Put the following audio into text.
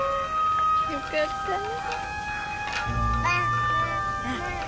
よかったね。